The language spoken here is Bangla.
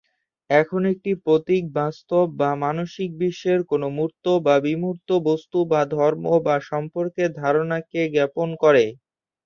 এখন একটি প্রতীক বাস্তব বা মানসিক বিশ্বের কোনও মূর্ত বা বিমূর্ত বস্তু বা ধর্ম বা সম্পর্কের ধারণাকে জ্ঞাপন করে।